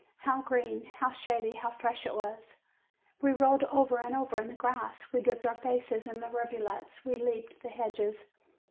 How green, how shady, how fresh it was ! We rolled over and over in the grass, we dipped our faces in the rivulets, we leaped the hedges.